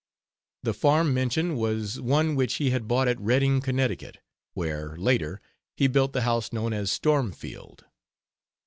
The farm mentioned was one which he had bought at Redding, Connecticut, where, later, he built the house known as "Stormfield."